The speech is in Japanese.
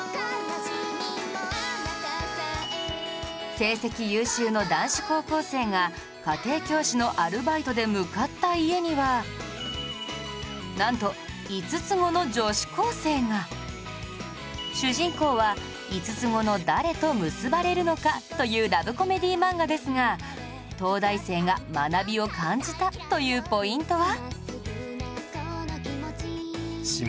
成績優秀の男子高校生が家庭教師のアルバイトで向かった家にはなんと主人公は五つ子の誰と結ばれるのかというラブコメディー漫画ですが東大生が学びを感じたというポイントは？